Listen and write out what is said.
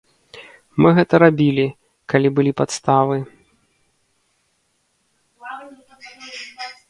Мы гэта рабілі, калі былі падставы.